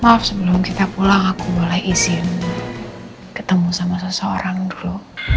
maaf sebelum kita pulang aku boleh izin ketemu sama seseorang flo